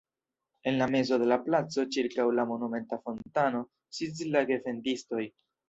En la mezo de la placo, ĉirkaŭ la monumenta fontano, sidis la gevendistoj.